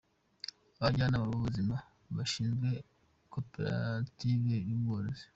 Abajyanama b’ubuzima bashinze Koperative y’Ubworozi